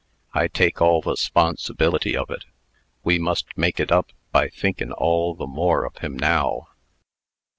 I take all the 'sponsibility of it. We must make it up, by thinkin' all the more of him now."